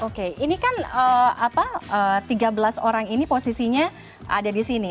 oke ini kan tiga belas orang ini posisinya ada di sini